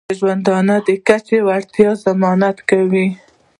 د ژوندانه د کچې د لوړتیا ضمانت کوي.